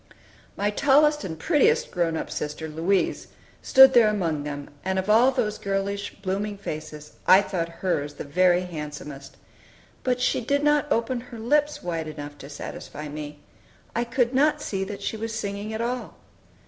My tallest and prettiest grown up sister, Louise, stood there among them, and of all those girlish, blooming faces I thought hers the very handsomest. But she did not open her lips wide enough to satisfy me. I could not see that she was singing at all.